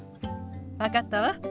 分かったわ。